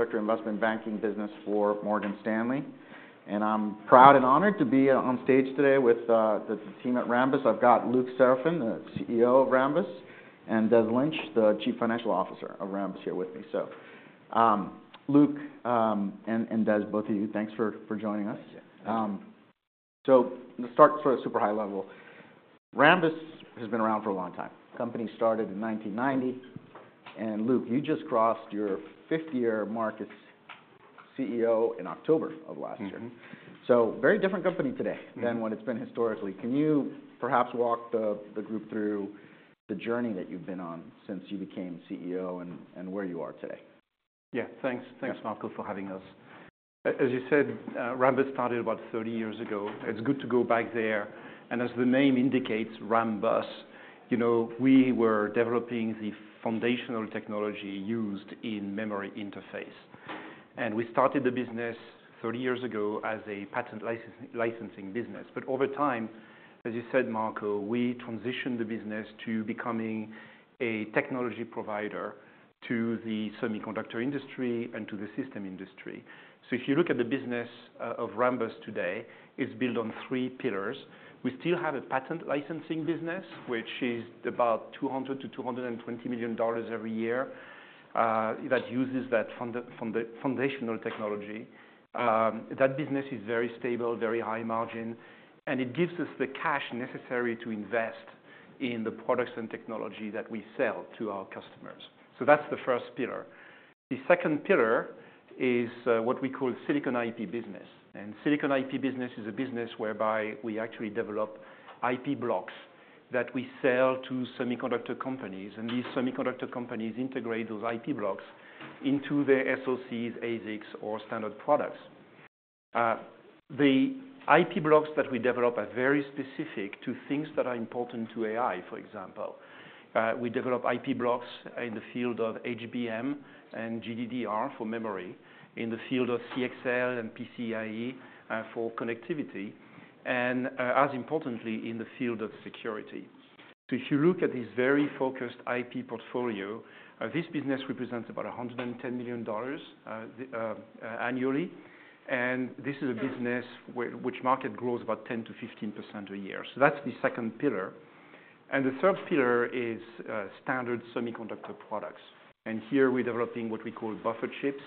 Director of Investment Banking Business for Morgan Stanley. I'm proud and honored to be on stage today with the team at Rambus. I've got Luc Seraphin, the CEO of Rambus, and Des Lynch, the Chief Financial Officer of Rambus, here with me. So Luc and Des, both of you, thanks for joining us. To start sort of super high level, Rambus has been around for a long time. Company started in 1990. Luc, you just crossed your 50-year mark as CEO in October of last year. Very different company today than what it's been historically. Can you perhaps walk the group through the journey that you've been on since you became CEO and where you are today? Yeah, thanks. Thanks, Marco, for having us. As you said, Rambus started about 30 years ago. It's good to go back there. And as the name indicates, Rambus, we were developing the foundational technology used in memory interface. And we started the business 30 years ago as a patent licensing business. But over time, as you said, Marco, we transitioned the business to becoming a technology provider to the semiconductor industry and to the system industry. So if you look at the business of Rambus today, it's built on three pillars. We still have a patent licensing business, which is about $200 million-$220 million every year that uses that foundational technology. That business is very stable, very high margin. And it gives us the cash necessary to invest in the products and technology that we sell to our customers. So that's the first pillar. The second pillar is what we call Silicon IP business. Silicon IP business is a business whereby we actually develop IP blocks that we sell to semiconductor companies. These semiconductor companies integrate those IP blocks into their SoCs, ASICs, or standard products. The IP blocks that we develop are very specific to things that are important to AI, for example. We develop IP blocks in the field of HBM and GDDR for memory, in the field of CXL and PCIe for connectivity, and as importantly, in the field of security. So if you look at this very focused IP portfolio, this business represents about $110 million annually. This is a business which market grows about 10%-15% a year. So that's the second pillar. The third pillar is standard semiconductor products. Here we're developing what we call buffer chips.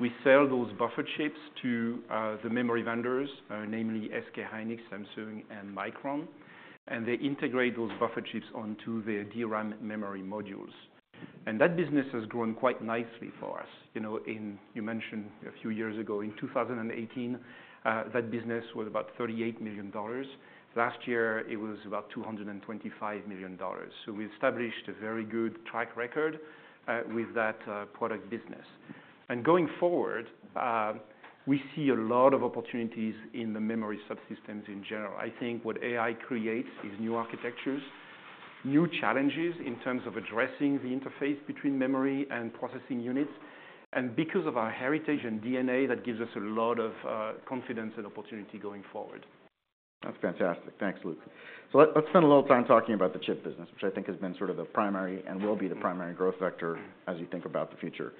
We sell those buffer chips to the memory vendors, namely SK hynix, Samsung, and Micron. They integrate those buffer chips onto their DRAM memory modules. That business has grown quite nicely for us. You mentioned a few years ago, in 2018, that business was about $38 million. Last year, it was about $225 million. So we established a very good track record with that product business. Going forward, we see a lot of opportunities in the memory subsystems in general. I think what AI creates is new architectures, new challenges in terms of addressing the interface between memory and processing units, and because of our heritage and DNA, that gives us a lot of confidence and opportunity going forward. That's fantastic. Thanks, Luc. So let's spend a little time talking about the chip business, which I think has been sort of the primary and will be the primary growth vector as you think about the future,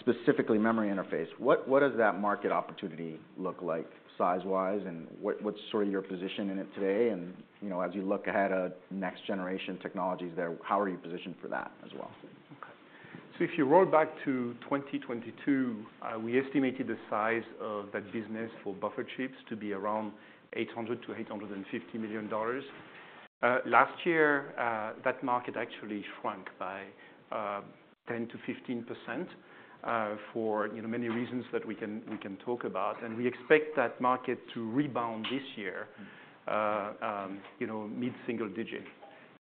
specifically memory interface. What does that market opportunity look like size-wise? And what's sort of your position in it today? And as you look ahead at next-generation technologies there, how are you positioned for that as well? OK. So if you roll back to 2022, we estimated the size of that business for buffer chips to be around $800-$850 million. Last year, that market actually shrank by 10%-15% for many reasons that we can talk about. And we expect that market to rebound this year mid-single digit.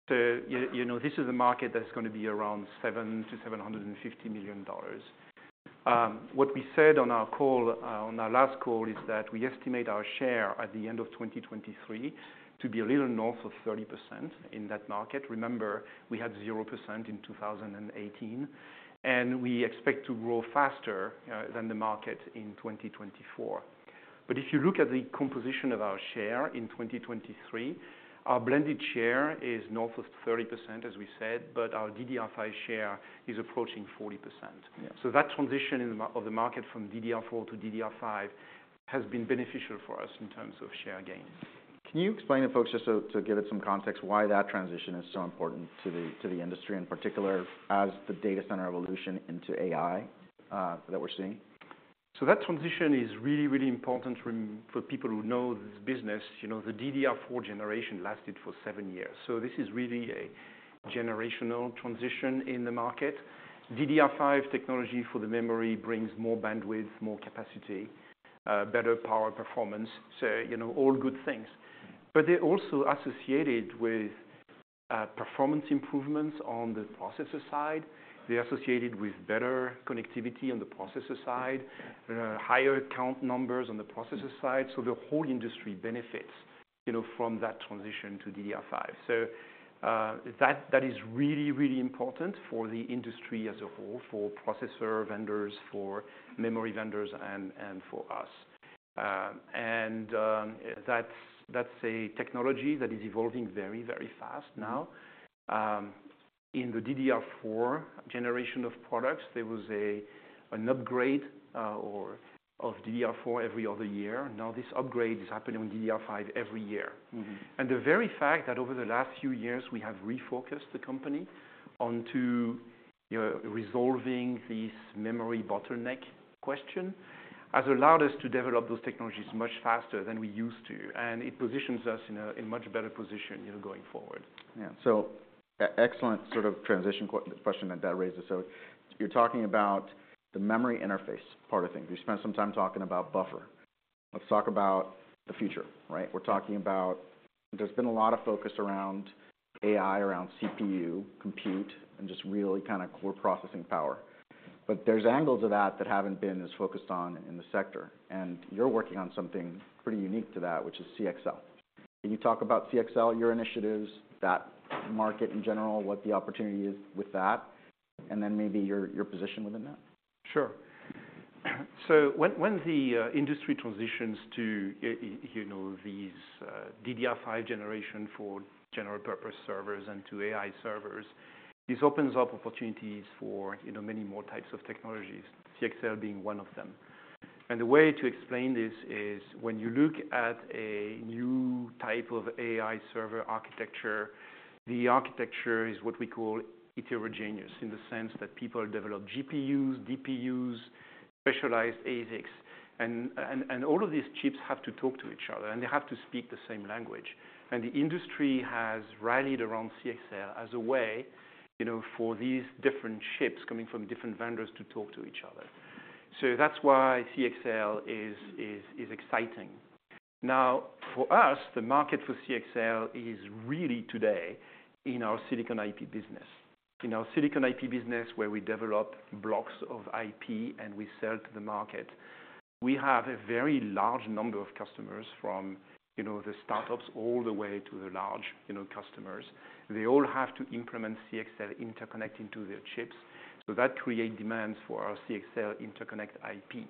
So this is a market that's going to be around $700-$750 million. What we said on our call, on our last call, is that we estimate our share at the end of 2023 to be a little north of 30% in that market. Remember, we had 0% in 2018. And we expect to grow faster than the market in 2024. But if you look at the composition of our share in 2023, our blended share is north of 30%, as we said. But our DDR5 share is approaching 40%. So that transition of the market from DDR4 to DDR5 has been beneficial for us in terms of share gain. Can you explain to folks, just to give it some context, why that transition is so important to the industry, in particular as the data center evolution into AI that we're seeing? So that transition is really, really important for people who know this business. The DDR4 generation lasted for seven years. So this is really a generational transition in the market. DDR5 technology for the memory brings more bandwidth, more capacity, better power performance, so all good things. But they're also associated with performance improvements on the processor side. They're associated with better connectivity on the processor side, higher count numbers on the processor side. So the whole industry benefits from that transition to DDR5. So that is really, really important for the industry as a whole, for processor vendors, for memory vendors, and for us. And that's a technology that is evolving very, very fast now. In the DDR4 generation of products, there was an upgrade of DDR4 every other year. Now this upgrade is happening on DDR5 every year. The very fact that over the last few years, we have refocused the company onto resolving this memory bottleneck question has allowed us to develop those technologies much faster than we used to. It positions us in a much better position going forward. Yeah, so excellent sort of transition question that that raises. So you're talking about the memory interface part of things. You spent some time talking about buffer. Let's talk about the future. We're talking about there's been a lot of focus around AI, around CPU, compute, and just really kind of core processing power. But there's angles of that that haven't been as focused on in the sector. And you're working on something pretty unique to that, which is CXL. Can you talk about CXL, your initiatives, that market in general, what the opportunity is with that, and then maybe your position within that? Sure. So when the industry transitions to these DDR5 generation for general-purpose servers and to AI servers, this opens up opportunities for many more types of technologies, CXL being one of them. And the way to explain this is when you look at a new type of AI server architecture, the architecture is what we call heterogeneous in the sense that people develop GPUs, DPUs, specialized ASICs. And all of these chips have to talk to each other. And they have to speak the same language. And the industry has rallied around CXL as a way for these different chips coming from different vendors to talk to each other. So that's why CXL is exciting. Now, for us, the market for CXL is really today in our silicon IP business. In our silicon IP business, where we develop blocks of IP and we sell to the market, we have a very large number of customers from the startups all the way to the large customers. They all have to implement CXL interconnect into their chips. So that creates demands for our CXL interconnect IP.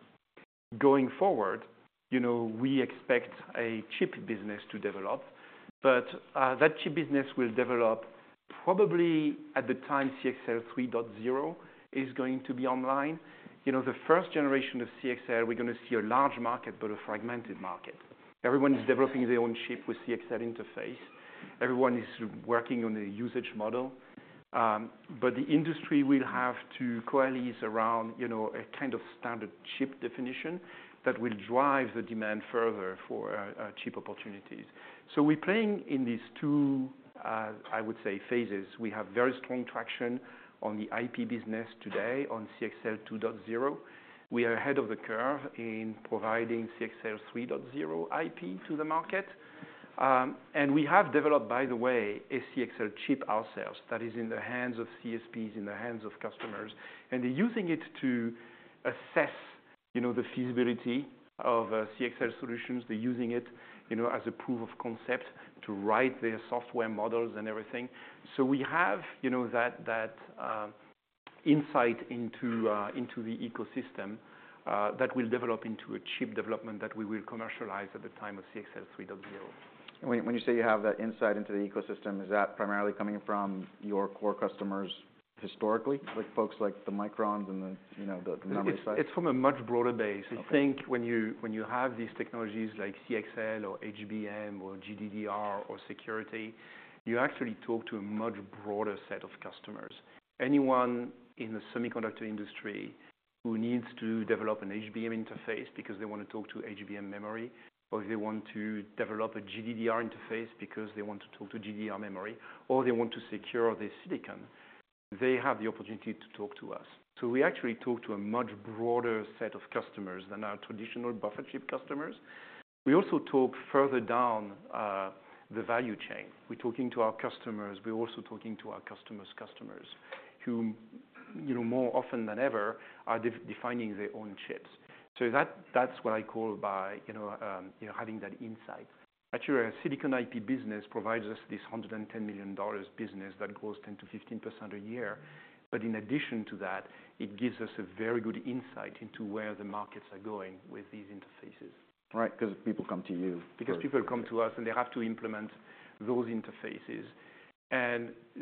Going forward, we expect a chip business to develop. But that chip business will develop probably at the time CXL 3.0 is going to be online. The first generation of CXL, we're going to see a large market, but a fragmented market. Everyone is developing their own chip with CXL interface. Everyone is working on the usage model. But the industry will have to coalesce around a kind of standard chip definition that will drive the demand further for chip opportunities. So we're playing in these two, I would say, phases. We have very strong traction on the IP business today on CXL 2.0. We are ahead of the curve in providing CXL 3.0 IP to the market. We have developed, by the way, a CXL chip ourselves that is in the hands of CSPs, in the hands of customers. They're using it to assess the feasibility of CXL solutions. They're using it as a proof of concept to write their software models and everything. We have that insight into the ecosystem that will develop into a chip development that we will commercialize at the time of CXL 3.0. When you say you have that insight into the ecosystem, is that primarily coming from your core customers historically, like folks like the Microns and the memory side? It's from a much broader base. I think when you have these technologies like CXL or HBM or GDDR or security, you actually talk to a much broader set of customers. Anyone in the semiconductor industry who needs to develop an HBM interface because they want to talk to HBM memory, or if they want to develop a GDDR interface because they want to talk to GDDR memory, or they want to secure their silicon, they have the opportunity to talk to us. So we actually talk to a much broader set of customers than our traditional buffer chip customers. We also talk further down the value chain. We're talking to our customers. We're also talking to our customer's customers who, more often than ever, are defining their own chips. So that's what I call by having that insight. Actually, our silicon IP business provides us this $110 million business that grows 10%-15% a year. But in addition to that, it gives us a very good insight into where the markets are going with these interfaces. Right, because people come to you. Because people come to us. They have to implement those interfaces.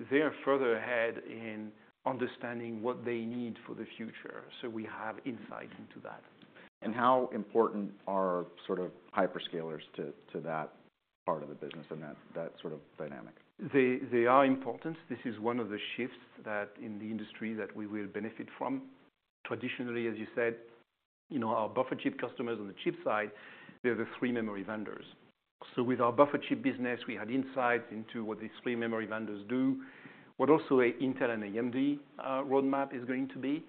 They are further ahead in understanding what they need for the future. We have insight into that. How important are sort of hyperscalers to that part of the business and that sort of dynamic? They are important. This is one of the shifts in the industry that we will benefit from. Traditionally, as you said, our buffer chip customers on the chip side, they're the three memory vendors. So with our buffer chip business, we had insights into what these three memory vendors do, what also Intel and AMD roadmap is going to be.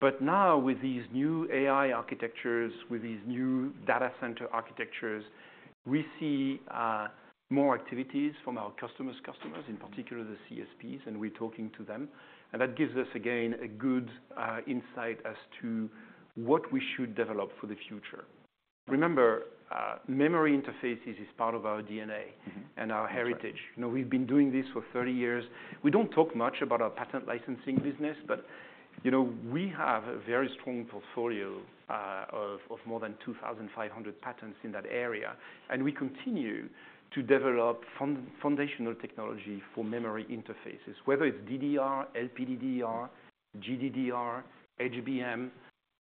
But now, with these new AI architectures, with these new data center architectures, we see more activities from our customer's customers, in particular the CSPs. And we're talking to them. And that gives us, again, a good insight as to what we should develop for the future. Remember, memory interfaces is part of our DNA and our heritage. We've been doing this for 30 years. We don't talk much about our patent licensing business. But we have a very strong portfolio of more than 2,500 patents in that area. We continue to develop foundational technology for memory interfaces, whether it's DDR, LPDDR, GDDR, HBM,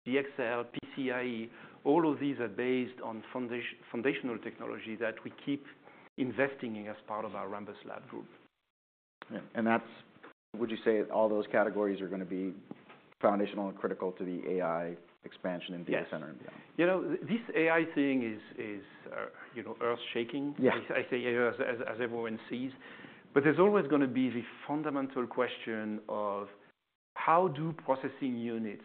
CXL, PCIe. All of these are based on foundational technology that we keep investing in as part of our Rambus Labs group. Would you say all those categories are going to be foundational and critical to the AI expansion in data center and beyond? Yes. This AI thing is earth-shaking, I say, as everyone sees. But there's always going to be the fundamental question of how do processing units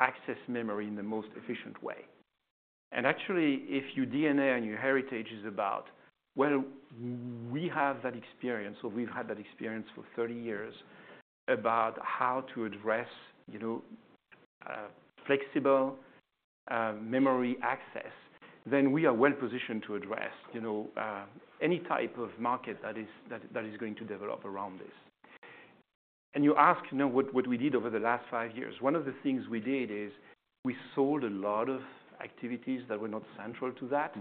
access memory in the most efficient way? And actually, if your DNA and your heritage is about, well, we have that experience, or we've had that experience for 30 years, about how to address flexible memory access, then we are well positioned to address any type of market that is going to develop around this. And you ask what we did over the last 5 years. One of the things we did is we sold a lot of activities that were not central to that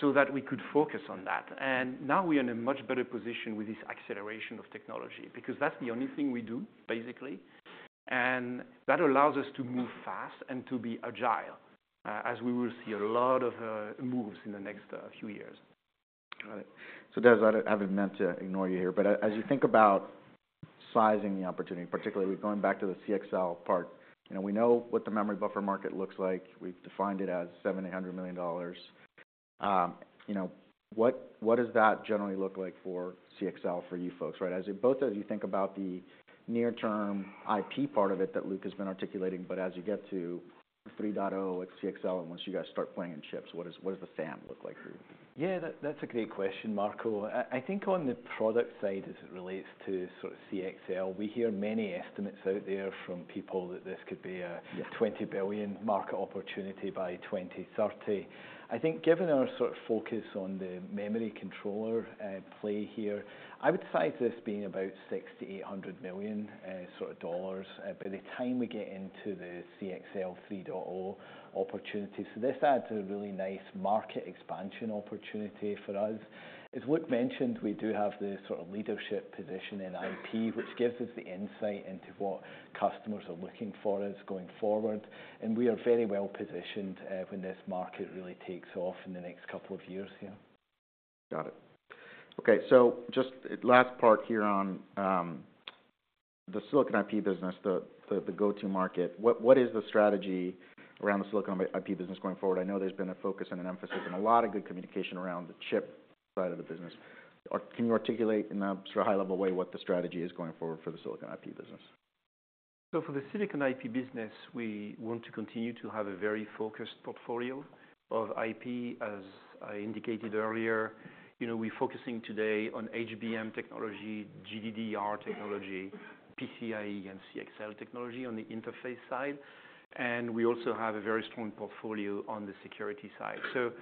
so that we could focus on that. And now we're in a much better position with this acceleration of technology because that's the only thing we do, basically. That allows us to move fast and to be agile, as we will see a lot of moves in the next few years. Got it. So I haven't meant to ignore you here. But as you think about sizing the opportunity, particularly going back to the CXL part, we know what the memory buffer market looks like. We've defined it as $700 million. What does that generally look like for CXL for you folks, both as you think about the near-term IP part of it that Luc has been articulating, but as you get to 3.0 at CXL, and once you guys start playing in chips, what does the SAM look like for you? Yeah, that's a great question, Marco. I think on the product side, as it relates to CXL, we hear many estimates out there from people that this could be a $20 billion market opportunity by 2030. I think given our focus on the memory controller play here, I would size this being about $600 million-$800 million by the time we get into the CXL 3.0 opportunity. So this adds a really nice market expansion opportunity for us. As Luc mentioned, we do have the leadership position in IP, which gives us the insight into what customers are looking for us going forward. We are very well positioned when this market really takes off in the next couple of years. Got it. Okay, so just last part here on the silicon IP business, the go-to market. What is the strategy around the silicon IP business going forward? I know there's been a focus and an emphasis and a lot of good communication around the chip side of the business. Can you articulate in a high-level way what the strategy is going forward for the silicon IP business? So for the silicon IP business, we want to continue to have a very focused portfolio of IP. As I indicated earlier, we're focusing today on HBM technology, GDDR technology, PCIe, and CXL technology on the interface side. And we also have a very strong portfolio on the security side. So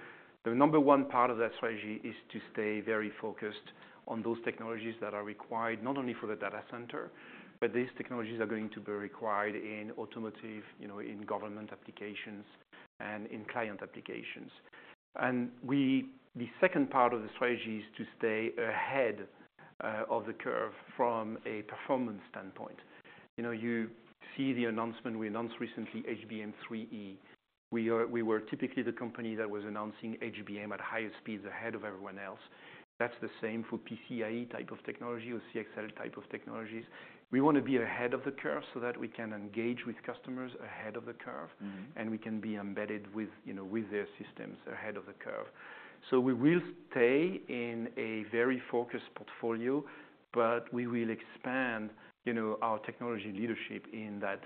the number one part of that strategy is to stay very focused on those technologies that are required not only for the data center, but these technologies are going to be required in automotive, in government applications, and in client applications. And the second part of the strategy is to stay ahead of the curve from a performance standpoint. You see the announcement we announced recently, HBM3E. We were typically the company that was announcing HBM at highest speeds ahead of everyone else. That's the same for PCIe type of technology or CXL type of technologies. We want to be ahead of the curve so that we can engage with customers ahead of the curve. We can be embedded with their systems ahead of the curve. We will stay in a very focused portfolio. We will expand our technology leadership in that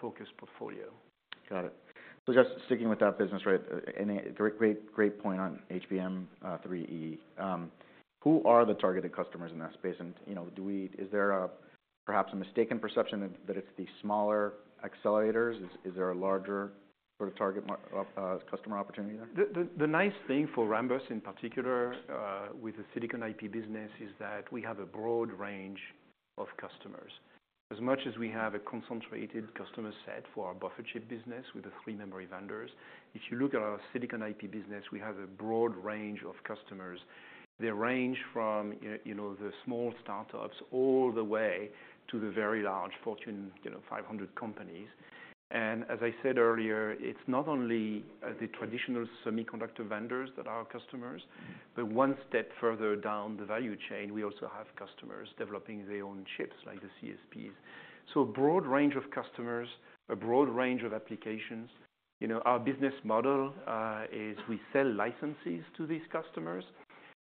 focused portfolio. Got it. So just sticking with that business, great point on HBM3E. Who are the targeted customers in that space? And is there perhaps a mistaken perception that it's the smaller accelerators? Is there a larger sort of target customer opportunity there? The nice thing for Rambus, in particular with the Silicon IP business, is that we have a broad range of customers. As much as we have a concentrated customer set for our Buffer Chip business with the three memory vendors, if you look at our Silicon IP business, we have a broad range of customers. They range from the small startups all the way to the very large Fortune 500 companies. As I said earlier, it's not only the traditional semiconductor vendors that are our customers. One step further down the value chain, we also have customers developing their own chips, like the CSPs. A broad range of customers, a broad range of applications. Our business model is we sell licenses to these customers.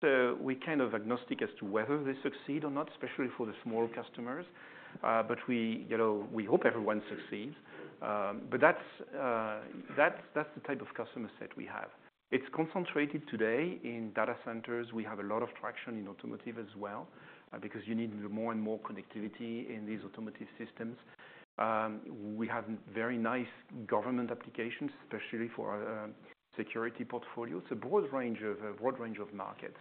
We're kind of agnostic as to whether they succeed or not, especially for the small customers. We hope everyone succeeds. But that's the type of customer set we have. It's concentrated today in data centers. We have a lot of traction in automotive as well because you need more and more connectivity in these automotive systems. We have very nice government applications, especially for our security portfolio. It's a broad range of markets.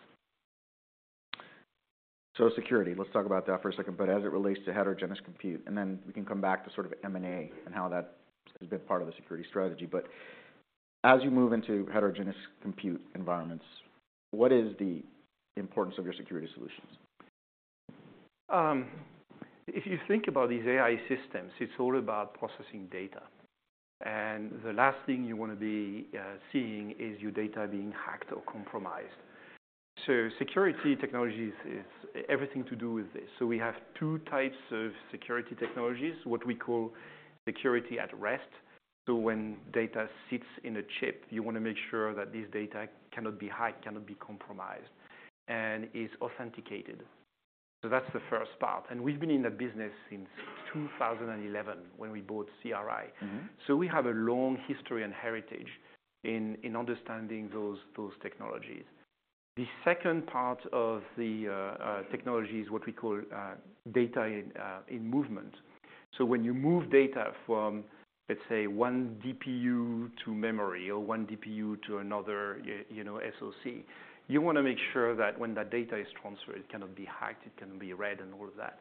Security, let's talk about that for a second. But as it relates to Heterogeneous Compute, and then we can come back to sort of M&A and how that has been part of the security strategy. But as you move into Heterogeneous Compute environments, what is the importance of your security solutions? If you think about these AI systems, it's all about processing data. The last thing you want to be seeing is your data being hacked or compromised. Security technology is everything to do with this. We have two types of security technologies, what we call security at rest. When data sits in a chip, you want to make sure that this data cannot be hacked, cannot be compromised, and is authenticated. That's the first part. We've been in that business since 2011 when we bought CRI. We have a long history and heritage in understanding those technologies. The second part of the technology is what we call data in movement. When you move data from, let's say, one DPU to memory or one DPU to another SoC, you want to make sure that when that data is transferred, it cannot be hacked. It cannot be read and all of that.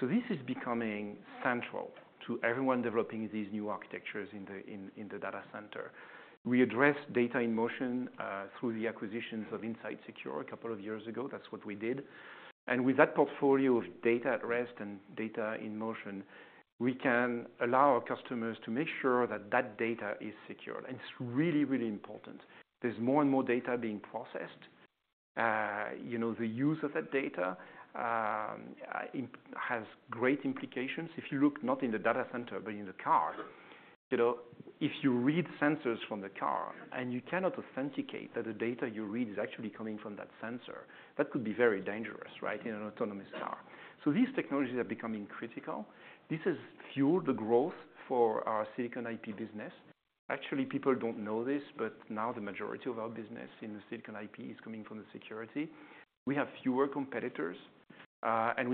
So this is becoming central to everyone developing these new architectures in the data center. We address data in motion through the acquisition of Inside Secure a couple of years ago. That's what we did. And with that portfolio of data at rest and data in motion, we can allow our customers to make sure that that data is secured. And it's really, really important. There's more and more data being processed. The use of that data has great implications. If you look not in the data center, but in the car, if you read sensors from the car and you cannot authenticate that the data you read is actually coming from that sensor, that could be very dangerous in an autonomous car. So these technologies are becoming critical. This has fueled the growth for our silicon IP business. Actually, people don't know this. But now the majority of our business in the silicon IP is coming from the security. We have fewer competitors. And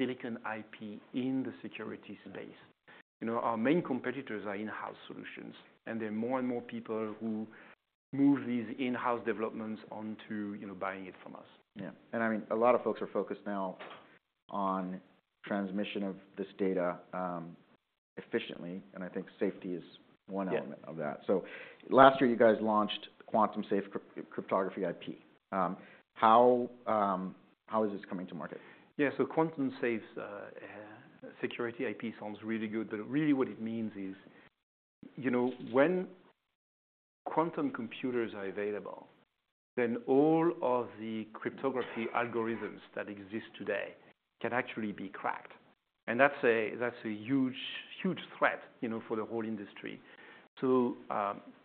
there are more and more people who move these in-house developments onto buying it from us. Yeah. I mean, a lot of folks are focused now on transmission of this data efficiently. I think safety is one element of that. So last year, you guys launched Quantum Safe Cryptography IP. How is this coming to market? Yeah, so Quantum Safe Cryptography IP sounds really good. But really, what it means is when quantum computers are available, then all of the cryptography algorithms that exist today can actually be cracked. And that's a huge, huge threat for the whole industry. So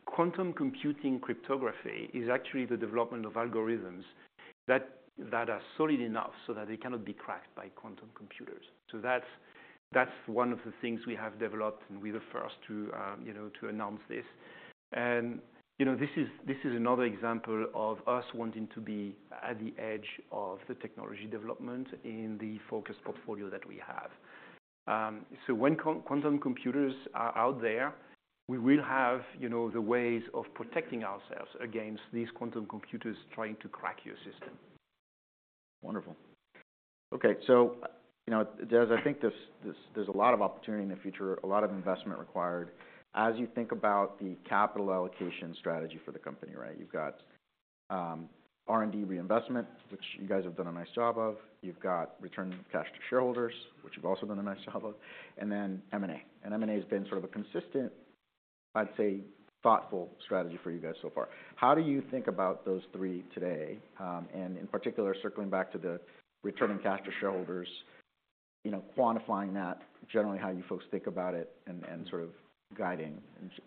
quantum computing cryptography is actually the development of algorithms that are solid enough so that they cannot be cracked by quantum computers. So that's one of the things we have developed. And we were the first to announce this. And this is another example of us wanting to be at the edge of the technology development in the focused portfolio that we have. So when quantum computers are out there, we will have the ways of protecting ourselves against these quantum computers trying to crack your system. Wonderful. Okay, so, I think there's a lot of opportunity in the future, a lot of investment required. As you think about the capital allocation strategy for the company, you've got R&D reinvestment, which you guys have done a nice job of. You've got return of cash to shareholders, which you've also done a nice job of. And then M&A. And M&A has been sort of a consistent, I'd say, thoughtful strategy for you guys so far. How do you think about those three today? And in particular, circling back to the return of cash to shareholders, quantifying that, generally how you folks think about it, and sort of guiding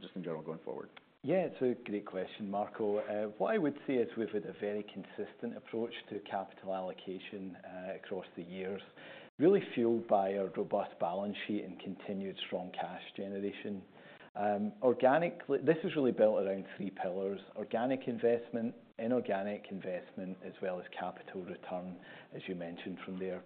just in general going forward? Yeah, it's a great question, Marco. What I would see is we've had a very consistent approach to capital allocation across the years, really fueled by a robust balance sheet and continued strong cash generation. This is really built around three pillars: organic investment, inorganic investment, as well as capital return, as you mentioned from there.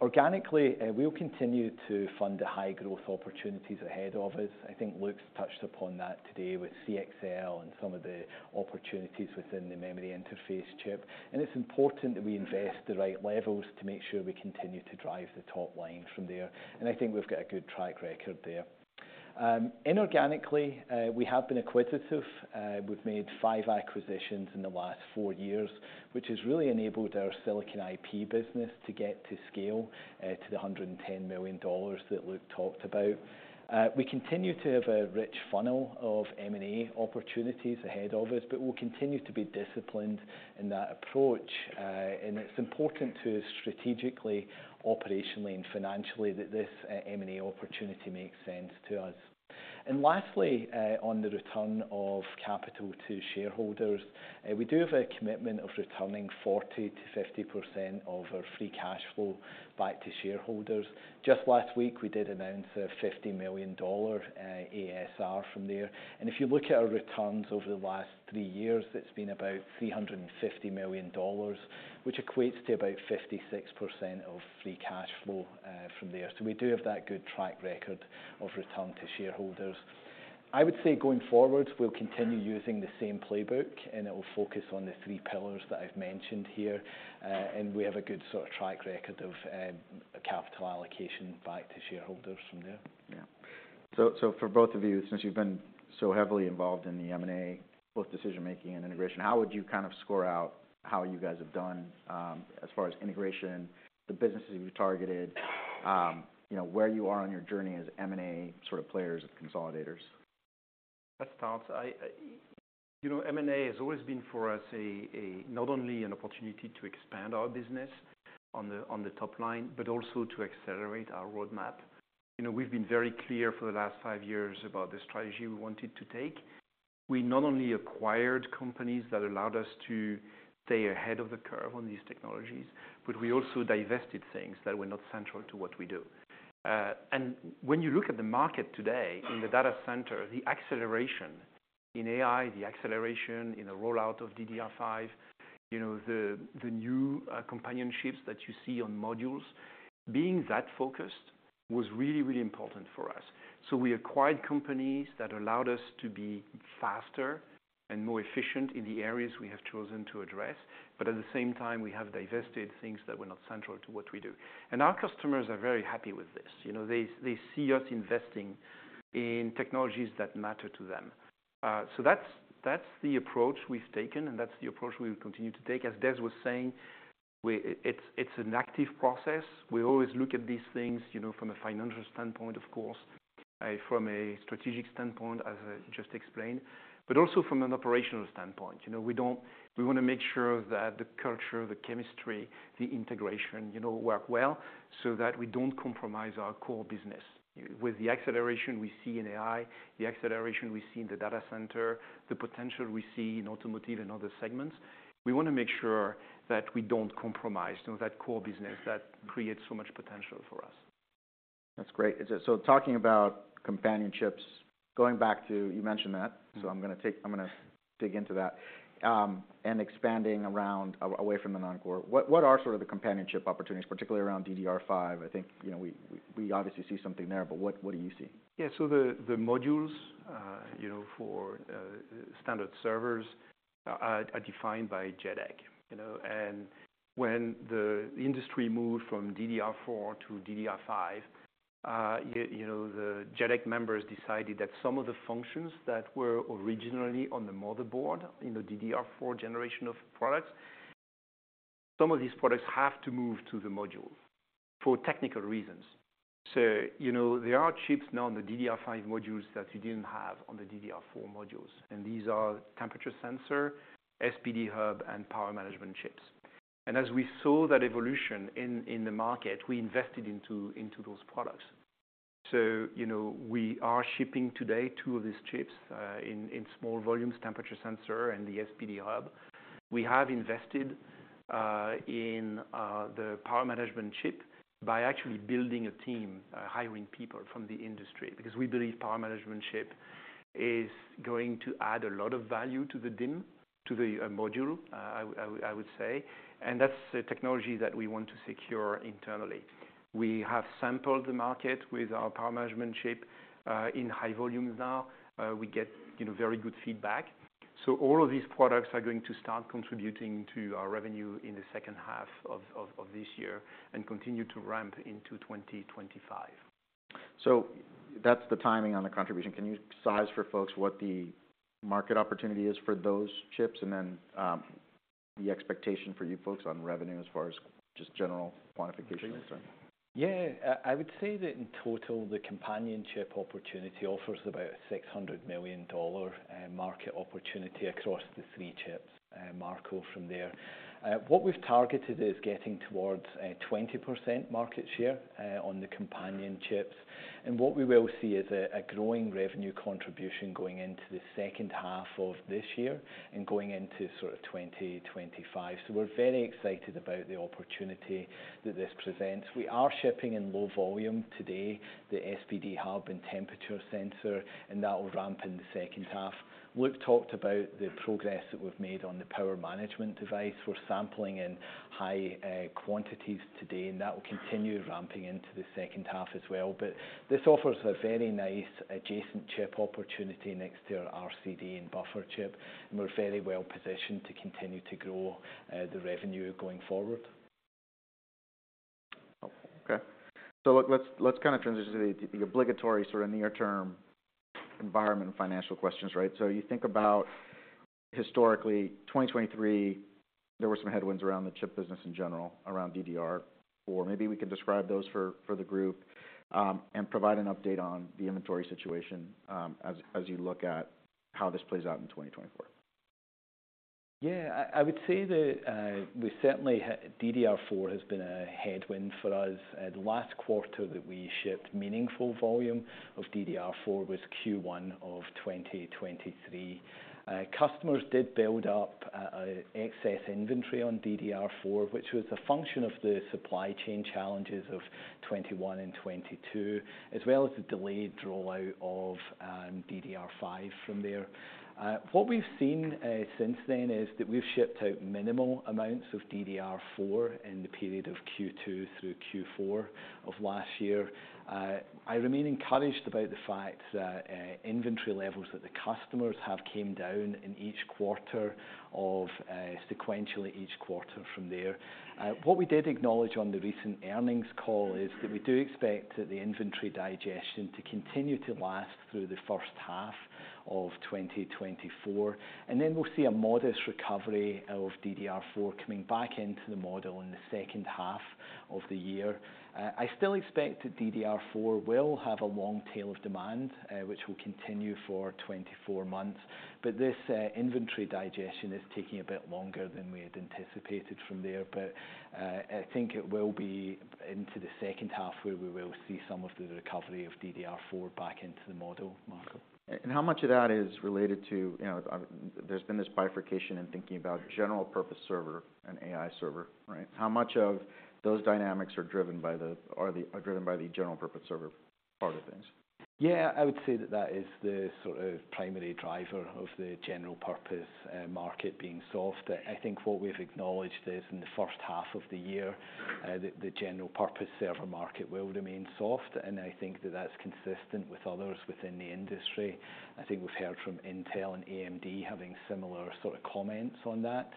Organically, we'll continue to fund the high-growth opportunities ahead of us. I think Luc touched upon that today with CXL and some of the opportunities within the memory interface chip. And it's important that we invest the right levels to make sure we continue to drive the top line from there. And I think we've got a good track record there. Inorganically, we have been acquisitive. We've made 5 acquisitions in the last 4 years, which has really enabled our silicon IP business to get to scale, to the $110 million that Luc talked about. We continue to have a rich funnel of M&A opportunities ahead of us. But we'll continue to be disciplined in that approach. And it's important to us strategically, operationally, and financially that this M&A opportunity makes sense to us. And lastly, on the return of capital to shareholders, we do have a commitment of returning 40%-50% of our free cash flow back to shareholders. Just last week, we did announce a $50 million ASR from there. And if you look at our returns over the last 3 years, it's been about $350 million, which equates to about 56% of free cash flow from there. So we do have that good track record of return to shareholders. I would say going forward, we'll continue using the same playbook. It will focus on the three pillars that I've mentioned here. We have a good track record of capital allocation back to shareholders from there. Yeah. So for both of you, since you've been so heavily involved in the M&A, both decision-making and integration, how would you kind of score out how you guys have done as far as integration, the businesses you've targeted, where you are on your journey as M&A players and consolidators? Let's start. M&A has always been for us not only an opportunity to expand our business on the top line, but also to accelerate our roadmap. We've been very clear for the last five years about the strategy we wanted to take. We not only acquired companies that allowed us to stay ahead of the curve on these technologies, but we also divested things that were not central to what we do. And when you look at the market today in the data center, the acceleration in AI, the acceleration in the rollout of DDR5, the new companion chips that you see on modules, being that focused was really, really important for us. So we acquired companies that allowed us to be faster and more efficient in the areas we have chosen to address. But at the same time, we have divested things that were not central to what we do. Our customers are very happy with this. They see us investing in technologies that matter to them. That's the approach we've taken. That's the approach we will continue to take. As Des was saying, it's an active process. We always look at these things from a financial standpoint, of course, from a strategic standpoint, as I just explained, but also from an operational standpoint. We want to make sure that the culture, the chemistry, the integration work well so that we don't compromise our core business. With the acceleration we see in AI, the acceleration we see in the data center, the potential we see in automotive and other segments, we want to make sure that we don't compromise that core business that creates so much potential for us. That's great. So talking about companion chips, going back to what you mentioned. So I'm going to dig into that and expanding away from the non-core. What are sort of the companion chip opportunities, particularly around DDR5? I think we obviously see something there. But what do you see? Yeah, so the modules for standard servers are defined by JEDEC. And when the industry moved from DDR4 to DDR5, the JEDEC members decided that some of the functions that were originally on the motherboard, DDR4 generation of products, some of these products have to move to the module for technical reasons. So there are chips now on the DDR5 modules that you didn't have on the DDR4 modules. And these are Temperature Sensor, SPD Hub, and power management chips. And as we saw that evolution in the market, we invested into those products. So we are shipping today two of these chips in small volumes, Temperature Sensor and the SPD Hub. We have invested in the power management chip by actually building a team, hiring people from the industry because we believe power management chip is going to add a lot of value to the DIMM, to the module, I would say. That's a technology that we want to secure internally. We have sampled the market with our power management chip in high volumes now. We get very good feedback. All of these products are going to start contributing to our revenue in the second half of this year and continue to ramp into 2025. That's the timing on the contribution. Can you size for folks what the market opportunity is for those chips and then the expectation for you folks on revenue as far as just general quantification is concerned? Yeah, I would say that in total, the companion opportunity offers about a $600 million market opportunity across the three chips, Marco, from there. What we've targeted is getting towards a 20% market share on the companion chips. What we will see is a growing revenue contribution going into the second half of this year and going into sort of 2025. So we're very excited about the opportunity that this presents. We are shipping in low volume today, the SPD Hub and Temperature Sensor. That will ramp in the second half. Luc talked about the progress that we've made on the power management device. We're sampling in high quantities today. That will continue ramping into the second half as well. But this offers a very nice adjacent chip opportunity next to our RCD and buffer chip. We're very well positioned to continue to grow the revenue going forward. OK, so look, let's kind of transition to the obligatory near-term environment and financial questions. So you think about historically, 2023, there were some headwinds around the chip business in general, around DDR4. Maybe we can describe those for the group and provide an update on the inventory situation as you look at how this plays out in 2024. Yeah, I would say that we certainly, DDR4 has been a headwind for us. The last quarter that we shipped meaningful volume of DDR4 was Q1 of 2023. Customers did build up excess inventory on DDR4, which was a function of the supply chain challenges of 2021 and 2022, as well as the delayed rollout of DDR5 from there. What we've seen since then is that we've shipped out minimal amounts of DDR4 in the period of Q2 through Q4 of last year. I remain encouraged about the fact that inventory levels that the customers have came down in each quarter of sequentially each quarter from there. What we did acknowledge on the recent earnings call is that we do expect that the inventory digestion to continue to last through the first half of 2024. Then we'll see a modest recovery of DDR4 coming back into the model in the second half of the year. I still expect that DDR4 will have a long tail of demand, which will continue for 24 months. This inventory digestion is taking a bit longer than we had anticipated from there. I think it will be into the second half where we will see some of the recovery of DDR4 back into the model, Marco. And how much of that is related to there's been this bifurcation in thinking about General-Purpose Server and AI Server? How much of those dynamics are driven by the General-Purpose Server part of things? Yeah, I would say that that is the primary driver of the general-purpose market being soft. I think what we've acknowledged is in the first half of the year, the general-purpose server market will remain soft. And I think that that's consistent with others within the industry. I think we've heard from Intel and AMD having similar comments on that.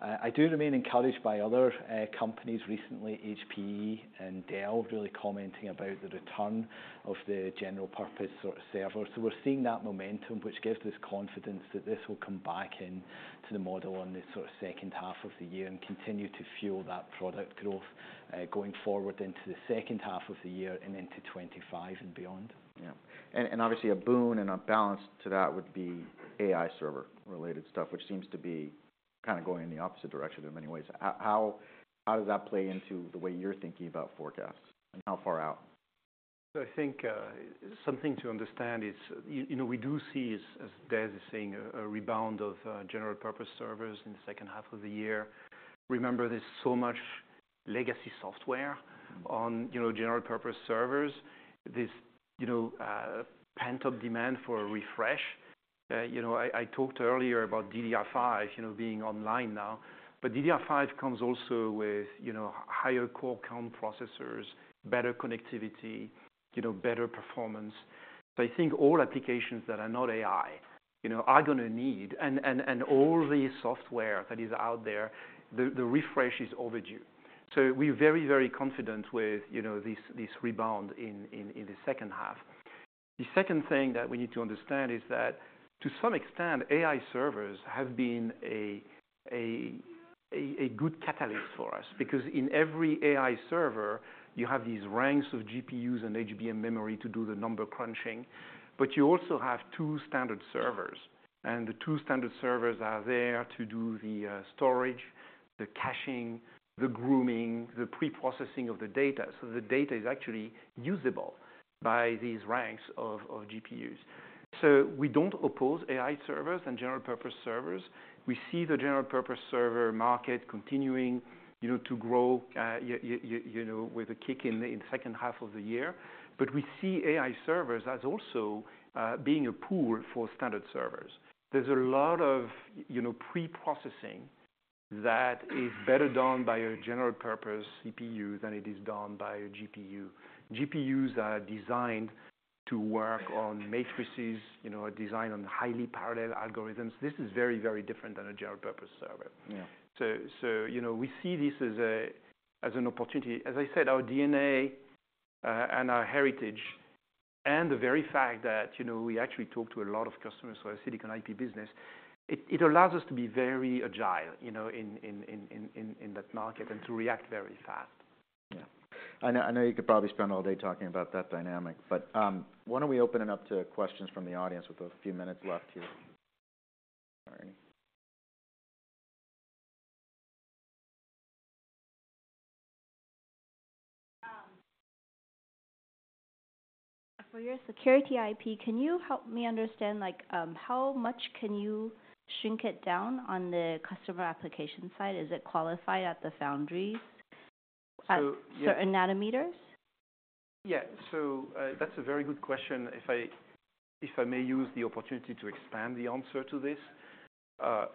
I do remain encouraged by other companies recently, HPE and Dell, really commenting about the return of the general-purpose server. So we're seeing that momentum, which gives us confidence that this will come back into the model on the second half of the year and continue to fuel that product growth going forward into the second half of the year and into 2025 and beyond. Yeah, and obviously, a boon and a balance to that would be AI server-related stuff, which seems to be kind of going in the opposite direction in many ways. How does that play into the way you're thinking about forecasts and how far out? So I think something to understand is we do see, as Des is saying, a rebound of general-purpose servers in the second half of the year. Remember, there's so much legacy software on general-purpose servers, this pent-up demand for a refresh. I talked earlier about DDR5 being online now. But DDR5 comes also with higher core count processors, better connectivity, better performance. So I think all applications that are not AI are going to need and all the software that is out there, the refresh is overdue. So we're very, very confident with this rebound in the second half. The second thing that we need to understand is that, to some extent, AI servers have been a good catalyst for us because in every AI server, you have these ranks of GPUs and HBM memory to do the number crunching. But you also have two standard servers. The two standard servers are there to do the storage, the caching, the grooming, the preprocessing of the data. So the data is actually usable by these ranks of GPUs. So we don't oppose AI servers and general-purpose servers. We see the general-purpose server market continuing to grow with a kick in the second half of the year. But we see AI servers as also being a pool for standard servers. There's a lot of preprocessing that is better done by a general-purpose CPU than it is done by a GPU. GPUs are designed to work on matrices, designed on highly parallel algorithms. This is very, very different than a general-purpose server. So we see this as an opportunity. As I said, our DNA and our heritage and the very fact that we actually talk to a lot of customers who are a silicon IP business, it allows us to be very agile in that market and to react very fast. Yeah, I know you could probably spend all day talking about that dynamic. But why don't we open it up to questions from the audience with a few minutes left here? For your security IP, can you help me understand how much can you shrink it down on the customer application side? Is it qualified at the foundries at certain nanometers? Yeah, so that's a very good question, if I may use the opportunity to expand the answer to this.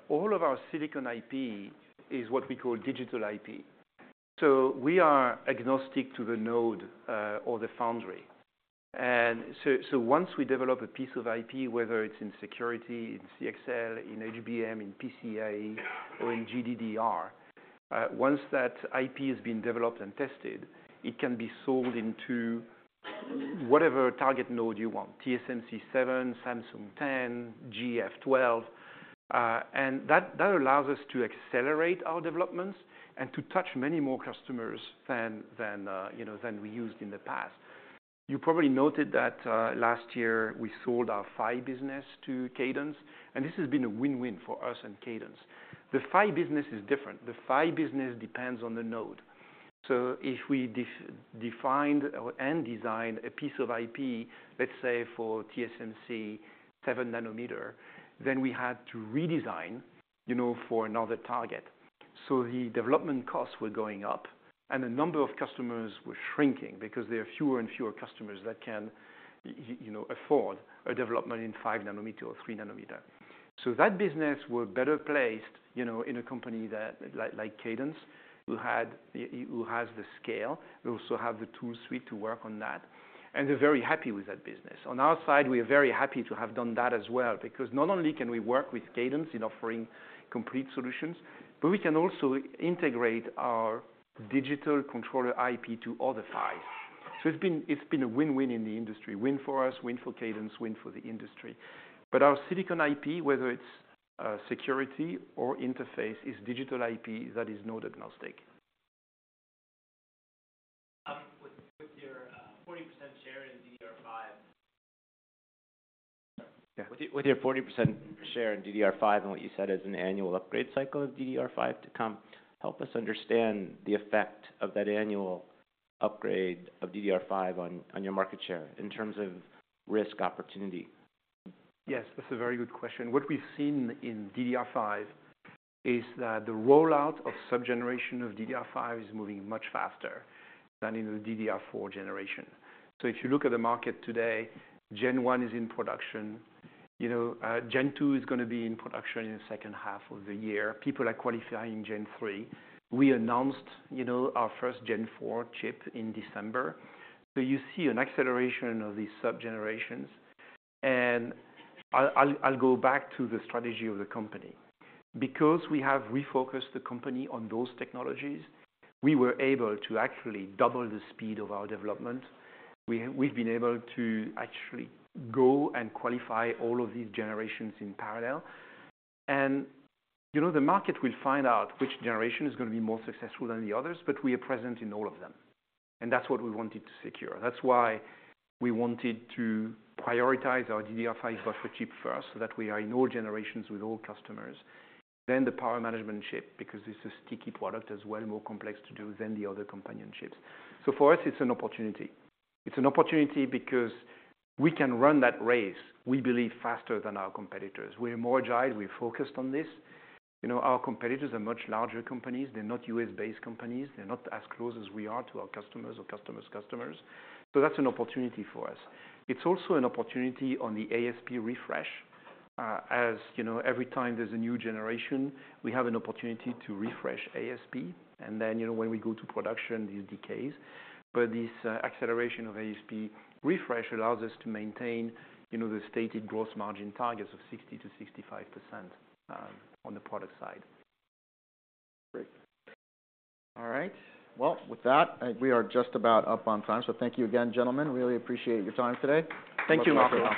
All of our Silicon IP is what we call Digital IP. So we are agnostic to the node or the foundry. And so once we develop a piece of IP, whether it's in security, in CXL, in HBM, in PCI, or in GDDR, once that IP has been developed and tested, it can be sold into whatever target node you want, TSMC 7, Samsung 10, GF12. And that allows us to accelerate our developments and to touch many more customers than we used in the past. You probably noted that last year, we sold our PHY business to Cadence. And this has been a win-win for us and Cadence. The PHY business is different. The PHY business depends on the node. So if we defined and designed a piece of IP, let's say for TSMC 7 nanometer, then we had to redesign for another target. So the development costs were going up. And the number of customers were shrinking because there are fewer and fewer customers that can afford a development in 5 nanometer or 3 nanometer. So that business was better placed in a company like Cadence, who has the scale. We also have the tool suite to work on that. And they're very happy with that business. On our side, we are very happy to have done that as well because not only can we work with Cadence in offering complete solutions, but we can also integrate our digital controller IP to other PHYs. So it's been a win-win in the industry, win for us, win for Cadence, win for the industry. But our Silicon IP, whether it's security or interface, is Digital IP that is node-agnostic. With your 40% share in DDR5. With your 40% share in DDR5 and what you said as an annual upgrade cycle of DDR5 to come, help us understand the effect of that annual upgrade of DDR5 on your market share in terms of risk opportunity? Yes, that's a very good question. What we've seen in DDR5 is that the rollout of sub-generation of DDR5 is moving much faster than in the DDR4 generation. So if you look at the market today, Gen 1 is in production. Gen 2 is going to be in production in the second half of the year. People are qualifying Gen 3. We announced our first Gen 4 chip in December. So you see an acceleration of these sub-generations. And I'll go back to the strategy of the company. Because we have refocused the company on those technologies, we were able to actually double the speed of our development. We've been able to actually go and qualify all of these generations in parallel. And the market will find out which generation is going to be more successful than the others. But we are present in all of them. That's what we wanted to secure. That's why we wanted to prioritize our DDR5 buffer chip first so that we are in all generations with all customers, then the power management chip because it's a sticky product as well, more complex to do than the other companion chips. So for us, it's an opportunity. It's an opportunity because we can run that race, we believe, faster than our competitors. We're more agile. We're focused on this. Our competitors are much larger companies. They're not U.S.-based companies. They're not as close as we are to our customers or customers' customers. So that's an opportunity for us. It's also an opportunity on the ASP refresh. As every time there's a new generation, we have an opportunity to refresh ASP. And then when we go to production, this decays. This acceleration of ASP refresh allows us to maintain the stated gross margin targets of 60%-65% on the product side. Great. All right, well, with that, we are just about up on time. So thank you again, gentlemen. Really appreciate your time today. Thank you, Marco.